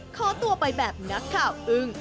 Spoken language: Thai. ขอตัวไปแบบนักข่าวอึ้ง